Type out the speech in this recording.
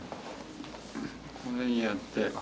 この辺にやって。